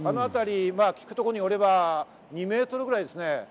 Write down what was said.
聞くところによれば、２メートルぐらいですね。